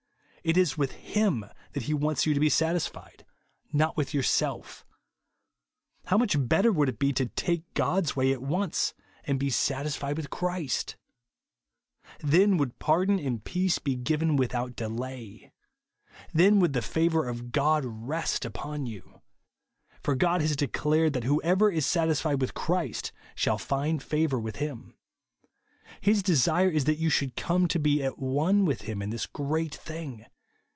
It is v/ith Hiifn that he wants you to be satisfied, not with yourself How much better would it be to take God's way at once, and be satisfied with Christ ? Then would pardon and peace be given without JESUS ONIA'. 181 clelay. Then would the favour of God rest upon you. For God has declared, that whoever is satisfied witli Christ shall find favDur with him. His desire is that you should come to be at one with him in this great thing.